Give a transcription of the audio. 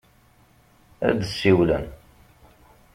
Ad d-siwlen.